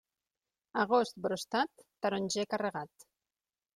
Agost brostat, taronger carregat.